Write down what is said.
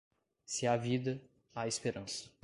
Se há vida, há esperança.